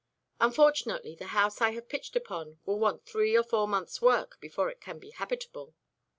"Unfortunately the house I have pitched upon will want three or four months' work before it can be habitable."